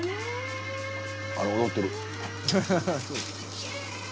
あれ踊ってる。